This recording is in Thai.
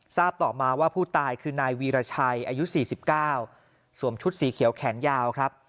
ทราบต่อมาว่าผู้ตายคือนายวีรชัยอายุ๔๙สวมชุดสีเขียวแขนยาวครับ